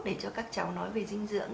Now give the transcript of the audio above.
để cho các cháu nói về dinh dưỡng